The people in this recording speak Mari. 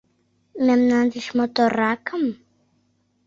Мемнан деч моторракым?